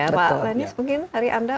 mbak lennis mungkin hari anda